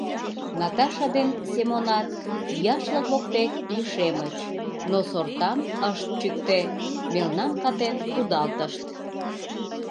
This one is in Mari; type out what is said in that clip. Наташа ден Семонат яшлык воктек лишемыч, но сортам ышт чӱктӧ, мелнам катен кудалтышт.